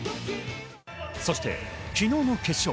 そして昨日の決勝。